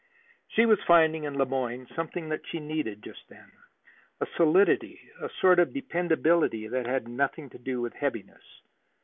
She was finding in Le Moyne something that she needed just then a solidity, a sort of dependability, that had nothing to do with heaviness.